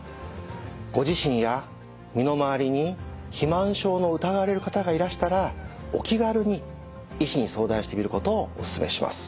ご自身や身のまわりに肥満症の疑われる方がいらしたらお気軽に医師に相談してみることをおすすめします。